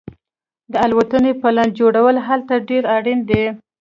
د الوتنې پلان جوړول هلته ډیر اړین دي